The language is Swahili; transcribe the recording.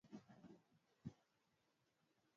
wao ni Waarmenia ambao wanaoishi Uturuki walitoroka